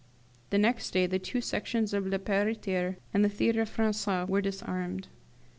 "The next day the two Sections of Le Pelletier and the Theatre Francais were disarmed."